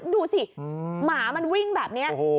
ดูสิหมามันวิ่งแบบนี้